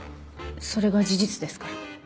それが事実ですから。